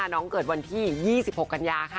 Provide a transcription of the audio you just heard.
เกิดวันที่๒๖กันยาค่ะ